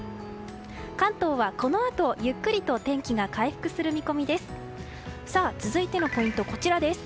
関東はこのあとゆっくりと天気が回復する見込みです。